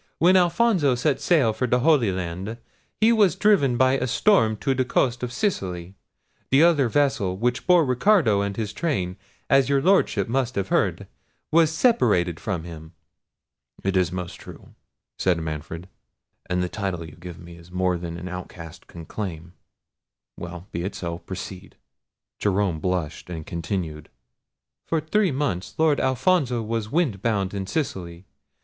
"When Alfonso set sail for the Holy Land he was driven by a storm to the coast of Sicily. The other vessel, which bore Ricardo and his train, as your Lordship must have heard, was separated from him." "It is most true," said Manfred; "and the title you give me is more than an outcast can claim—well! be it so—proceed." Jerome blushed, and continued. "For three months Lord Alfonso was wind bound in Sicily.